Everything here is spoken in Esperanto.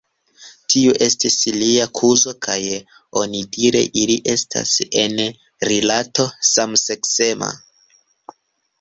Tiu estis lia kuzo kaj onidire ili estis en rilato samseksema.